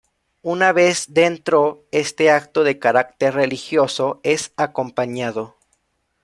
Una vez dentro este acto de carácter religioso es acompañado.